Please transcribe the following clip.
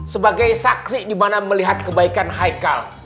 sebagai saksi dimana melihat kebaikan haikal